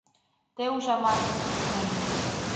— Те, ужамат... — мане.